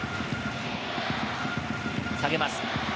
下げます。